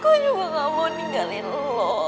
kau juga gak mau ninggalin lo